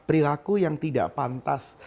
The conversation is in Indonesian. perilaku yang tidak pantas